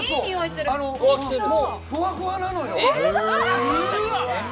ふわふわなのよ。